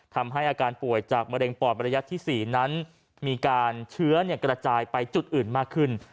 ทำให้อาการป่วยจากมะเร็งปอดระยะที่๔นั้นมีการเชื้อกระจายไปจุดอื่นมากขึ้น